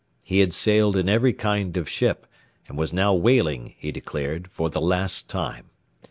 He had sailed in every kind of ship, and was now whaling, he declared, for the last time.